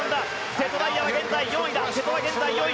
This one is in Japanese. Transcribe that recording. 瀬戸大也は現在４位だ。